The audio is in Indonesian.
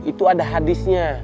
itu ada hadisnya